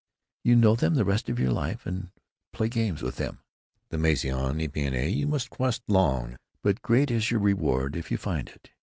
You know them the rest of your life and play games with them." The Maison Épinay you must quest long, but great is your reward if you find it.